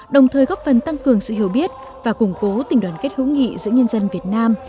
đồng thời góp phần tăng cường sự hiểu biết và củng cố tình đoàn kết hữu nghị giữa nhân dân việt nam